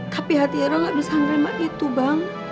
tapi hati roh gak usahan bernama itu bang